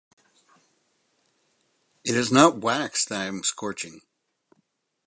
It is not wax that I am scorching.